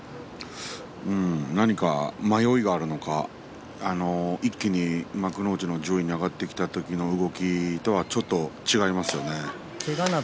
何か迷いがあるのか一気に幕内の上位に上がってきた時の動きとはちょっと違いますよね。